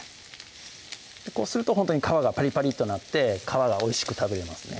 こうするとほんとに皮がパリパリッとなって皮がおいしく食べれますね